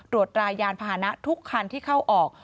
รายยานพาหนะทุกคันที่เข้าออก